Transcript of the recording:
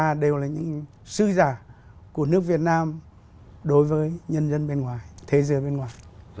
chúng ta đều là những sư giả của nước việt nam đối với nhân dân bên ngoài thế giới bên ngoài